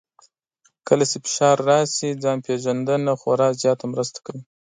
کله چې فشار راشي، ځان پېژندنه خورا زیاته مرسته کوي.